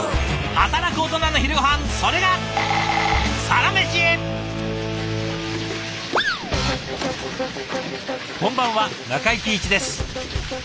働くオトナの昼ごはんそれがこんばんは中井貴一です。